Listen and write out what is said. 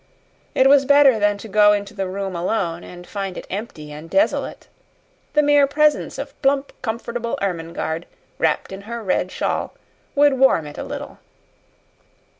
It was better than to go into the room alone and find it empty and desolate. The mere presence of plump, comfortable Ermengarde, wrapped in her red shawl, would warm it a little.